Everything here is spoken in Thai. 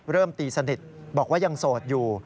ตีสนิทบอกว่ายังโสดอยู่